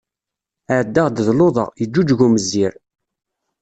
Ɛeddaɣ-d d luḍa, yeǧǧuǧeg umezzir.